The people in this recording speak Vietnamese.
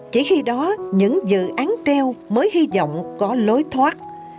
chỉ khi đó những dự án treo mới hy vọng có lối thoát